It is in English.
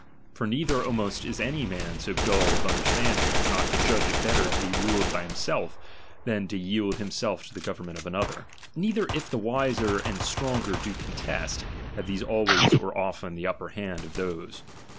For neither almost is any man so dull of understanding as not to judge it better to be ruled by himself, tlian to yield himself to the government of another ; neither if the wiser and stronger do contest, have tliese always or often the upper hand of those.